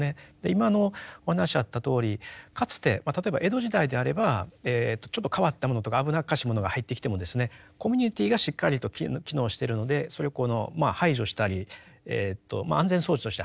今のお話あったとおりかつて例えば江戸時代であればちょっと変わったものとか危なっかしいものが入ってきてもコミュニティーがしっかりと機能してるのでそれを排除したり安全装置として働いていたと。